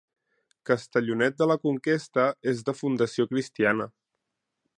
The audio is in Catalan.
Castellonet de la Conquesta és de fundació cristiana.